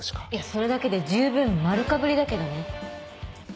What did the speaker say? いやそれだけで十分丸かぶりだけどね。